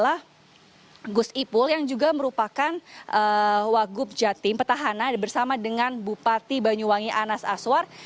adalah gus ipul yang juga merupakan wagub jatim petahana bersama dengan bupati banyuwangi anas aswar